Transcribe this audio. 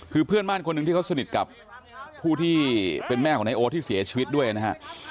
คือเพื่อนบ้านคนหนึ่งที่เขาสนิทกับผู้ที่เป็นแม่ของนายโอ๊ตที่เสียชีวิตด้วยนะฮะ